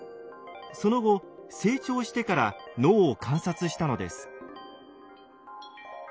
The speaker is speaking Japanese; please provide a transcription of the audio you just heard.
その後成長してから脳を観察したのです。